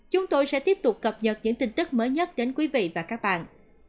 chúng tôi sẽ tiếp tục cập nhật những tin tức mới nhất đến quý vị và các bạn